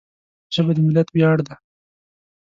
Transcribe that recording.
ژبه د ملت ویاړ ده